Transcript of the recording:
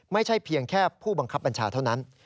ไม่ใช่เพียงแค่ผู้บังคับบัญชาเท่านั้น